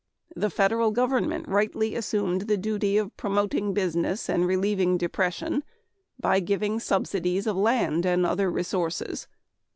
The federal government rightly assumed the duty of promoting business and relieving depression by giving subsidies of land and other resources.